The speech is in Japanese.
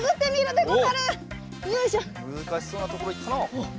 むずかしそうなところいったな。